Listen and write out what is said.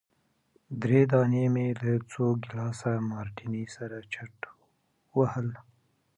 درې دانې مي له څو ګیلاسه مارټیني سره چټ وهل.